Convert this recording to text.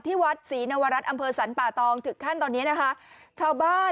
วัดศรีนวรัฐอำเภอสรรป่าตองถึงขั้นตอนนี้นะคะชาวบ้าน